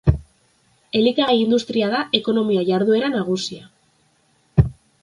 Elikagai industria da ekonomia jarduera nagusia.